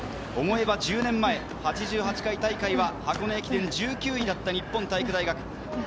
思えば１０年前、８８回大会は箱根駅伝１９位だった日本体育大学。